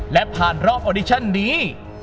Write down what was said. และผ่านรอบออดิชันนี้